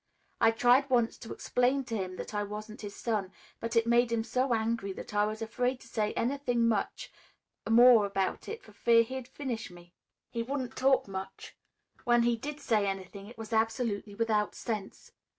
I tried once to explain to him that I wasn't his son, but it made him so angry that I was afraid to say anything more about it for fear he'd finish me. He wouldn't talk much. When he did say anything it was absolutely without sense.